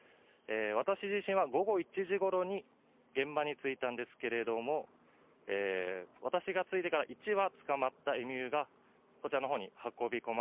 私自身は午後１時ごろに現場に着いたんですけれども、私が着いてから１羽捕まったエミューが、こちらのほうに運び込ま